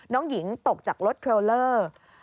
น้องหญิงตกจากรถเทรลเลอร์